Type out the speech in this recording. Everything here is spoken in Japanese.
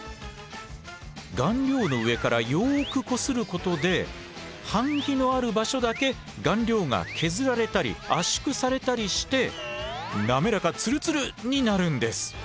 顔料の上からよくこすることで版木のある場所だけ顔料が削られたり圧縮されたりして滑らかツルツル！になるんです。